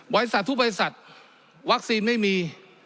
บรรยาทุกบรรยาศาสตร์วัคซีมไม่มี